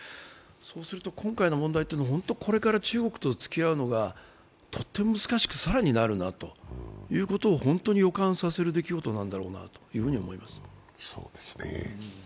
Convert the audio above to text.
そうすると今回の問題は本当に中国と付き合うのが更に難しくなるなと本当に予感させる出来事なんだろうなと思います。